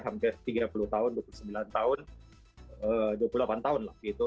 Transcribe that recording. hampir tiga puluh tahun dua puluh sembilan tahun dua puluh delapan tahun lah gitu